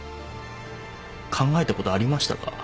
考えたことありましたか？